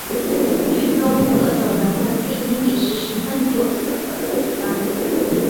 剧中各种人物的配音也是十分具有特色的地方。